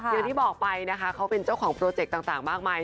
อย่างที่บอกไปนะคะเขาเป็นเจ้าของโปรเจกต์ต่างมากมาย